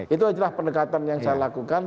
itu adalah pendekatan yang saya lakukan